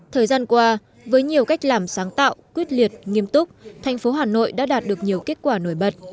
thời gian qua với nhiều cách làm sáng tạo quyết liệt nghiêm túc thành phố hà nội đã đạt được nhiều kết quả nổi bật